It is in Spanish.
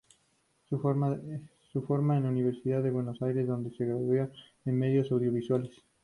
Se forma en la Universidad de Buenos Aires donde se gradúa en Medios Audiovisuales.